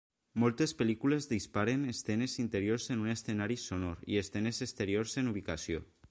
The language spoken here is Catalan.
Moltes pel·lícules disparen escenes interiors en un escenari sonor i escenes exteriors en ubicació.